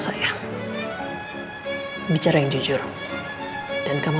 kayak ada yang ngikutin aku